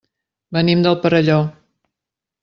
Venim del Perelló.